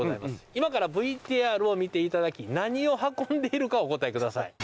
今からＶＴＲを見て頂き何を運んでいるかお答え下さい。